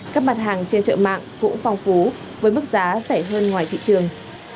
các mặt hàng trên chợ mạng cũng phong phú với mức giá rẻ hơn ngoài thị trường